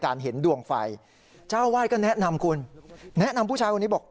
เห็นดวงไฟเจ้าวาดก็แนะนำคุณแนะนำผู้ชายคนนี้บอก